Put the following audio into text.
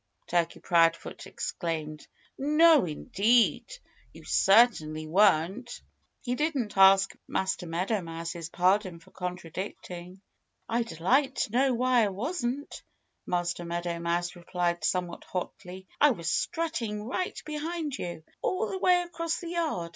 Turkey Proudfoot exclaimed. "No, indeed! You certainly weren't." He didn't ask Master Meadow Mouse's pardon for contradicting. "I'd like to know why I wasn't," Master Meadow Mouse replied somewhat hotly. "I was strutting right behind you, all the way across the yard.